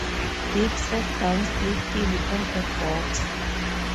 Dick sat down sleepily on a box.